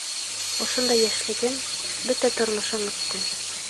Ошонда йәшлегем, бөтә тормошом үтте.